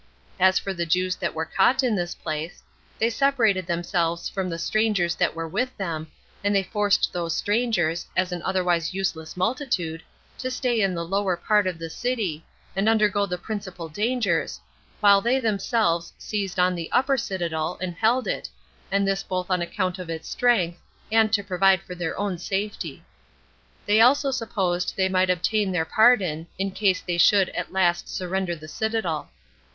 As for the Jews that were caught in this place, they separated themselves from the strangers that were with them, and they forced those strangers, as an otherwise useless multitude, to stay in the lower part of the city, and undergo the principal dangers, while they themselves seized on the upper citadel, and held it, and this both on account of its strength, and to provide for their own safety. They also supposed they might obtain their pardon, in case they should [at last] surrender the citadel.